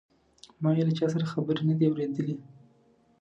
ما یې له چا سره خبرې نه دي اوریدلې.